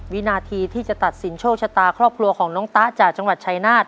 วินาทีที่จะตัดสินโชคชะตาครอบครัวของน้องตะจากจังหวัดชายนาฏ